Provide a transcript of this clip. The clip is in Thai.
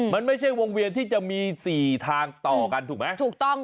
มันไม่ใช่วงเวียนที่จะมีสี่ทางต่อกันถูกไหมถูกต้อง